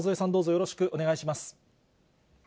よろしくお願いします。